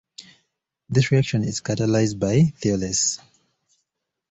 This reaction is catalyzed by thiolase.